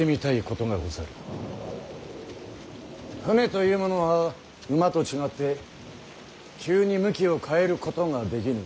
舟というものは馬と違って急に向きを変えることができぬ。